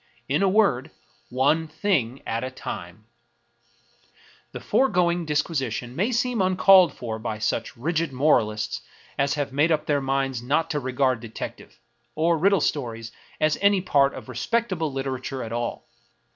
In a word, One thing at a time ! The foregoing disquisition may seem uncalled for by such rigid moralists as have made up their minds not to regard detective, or riddle stories, as any part of respect able literature at all.